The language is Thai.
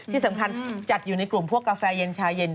ที่สำคัญจัดอยู่ในกลุ่มพวกกาแฟเย็นชาเย็น